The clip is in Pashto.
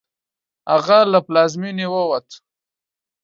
هغه له پلازمېنې ووت.